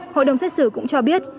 hội đồng xét xử cũng cho biết